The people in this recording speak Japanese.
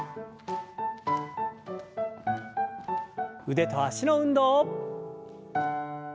腕と脚の運動。